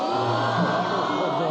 なるほど。